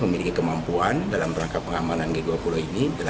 pertama penanganan bom eksplosif